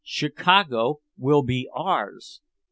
_ Chicago will be ours!